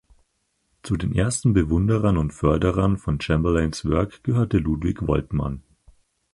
Zu den ersten Bewunderern und Förderern von Chamberlains Werk gehörte Ludwig Woltmann.